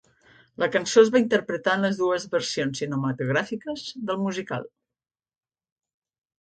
La cançó es va interpretar en les dues versions cinematogràfiques del musical.